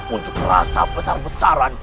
untuk merasa besar besaran